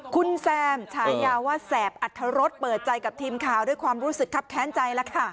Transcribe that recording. คุณแซมฉายาว่าแสบอัธรสเปิดใจกับทีมข่าวด้วยความรู้สึกครับแค้นใจแล้วค่ะ